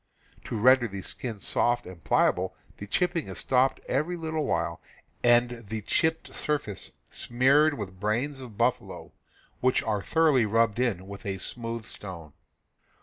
To ren der the skin soft and pliable the chipping is stopped every little while and the chipped surface smeared with brains of buffalo, which are thoroughly rubbed in with a smoothe stone.